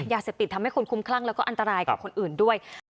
ทำให้คนคุ้มคลั่งแล้วก็อันตรายกับคนอื่นด้วย